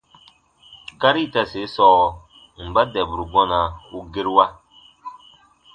Gari itase sɔɔ: mba dɛburu gɔna u gerua?